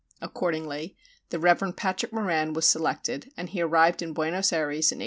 Accordingly the Rev. Patrick Moran was selected, and he arrived in Buenos Ayres in 1829.